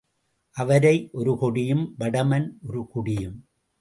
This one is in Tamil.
அவரை ஒரு கொடியும் வடமன் ஒரு குடியும்.